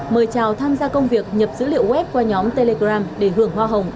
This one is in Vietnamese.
mời chào tham gia công việc nhập dữ liệu web qua nhóm telegram để hưởng hoa hồng bốn mươi